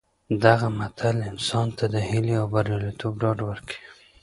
دغه متل انسان ته د هیلې او بریالیتوب ډاډ ورکوي